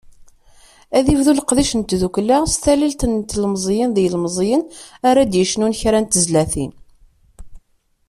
Ad ibdu leqdic n tddukkla, s talilt n telmeẓyin d yilmeẓyen ara d-yecnun kra n tezlatin.